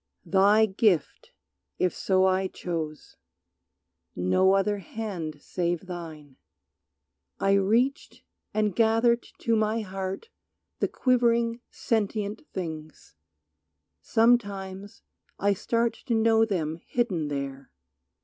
Thy gift, if so I chose, no other hand Save thine. I reached and gathered to my heart The quivering, sentient things. Sometimes I start To know them hidden there.